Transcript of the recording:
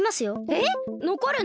えっ！？のこるの！？